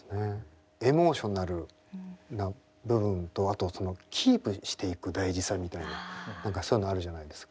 エモーショナルな部分とあとそのキープしていく大事さみたいな何かそういうのあるじゃないですか。